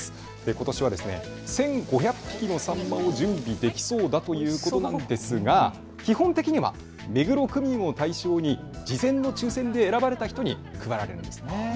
ことしは１５００匹のサンマを準備できそうだということですが基本的には目黒区民を対象に事前の抽せんで選ばれた人に配られるんです。